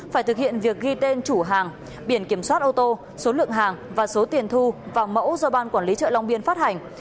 phải thực hiện việc ghi tên chủ hàng biển kiểm soát ô tô số lượng hàng và số tiền thu vào mẫu do ban quản lý chợ long biên phát hành